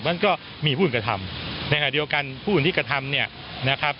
เพราะฉะนั้นก็มีผู้อุ่นกระทำในหัวเดียวกันผู้อุ่นที่กระทำเนี้ยนะครับ